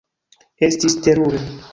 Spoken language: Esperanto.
Estis terure.